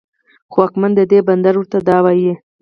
خو واکمن د دې بندر ورته دا وايي